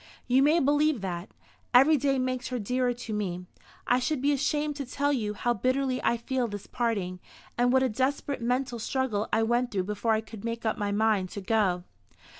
"You may believe that. Every day makes her dearer to me. I should be ashamed to tell you how bitterly I feel this parting, and what a desperate mental struggle I went through before I could make up my mind to go."